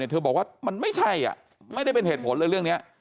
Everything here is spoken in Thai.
เธอบอกว่ามันไม่ใช่ไม่ได้เป็นเหตุผลเลยเรื่องนี้